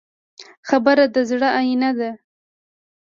خبره د زړه آیینه ده.